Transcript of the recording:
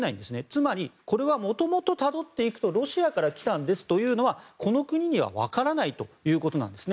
つまり、これは元をたどっていくとロシアから来たんですというのはこの国にはわからないということです。